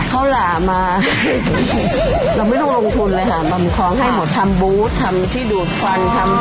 หลามาเราไม่ต้องลงทุนเลยค่ะบำคล้องให้หมดทำบูธทำที่ดูดควันทำ